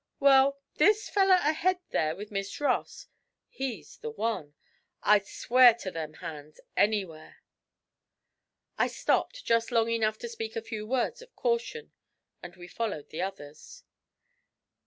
'Well, this feller ahead there with Miss Ross he's the one. I'd swear to them hands anywhere.' I stopped just long enough to speak a few words of caution, and we followed the others.